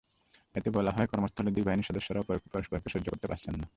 এতে বলা হয়, কর্মস্থলে দুই বাহিনীর সদস্যরা পরস্পরকে সহ্য করতে পারছেন না।